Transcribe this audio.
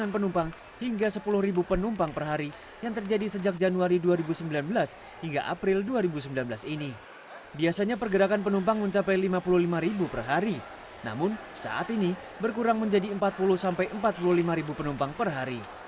penumpang mencapai lima puluh lima perhari namun saat ini berkurang menjadi empat puluh sampai empat puluh lima penumpang perhari